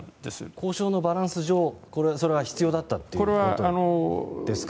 交渉のバランス上、それは必要だったということですか。